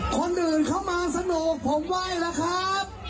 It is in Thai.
คนอื่นเข้ามาสนุกผมไหว้แล้วครับ